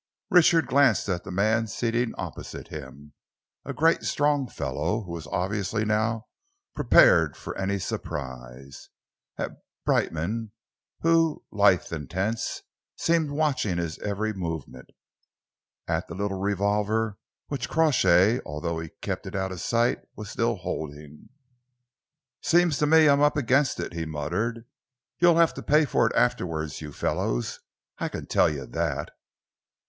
Richard glanced at the man seated opposite to him a great strong fellow who was obviously now prepared for any surprise; at Brightman, who, lithe and tense, seemed watching his every movement; at the little revolver which Crawshay, although he kept it out of sight, was still holding. "Seems to me I'm up against it," he muttered. "You'll have to pay for it afterwards, you fellows, I can tell you that."